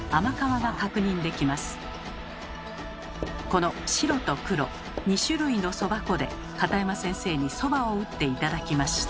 この白と黒２種類のそば粉で片山先生にそばを打って頂きました。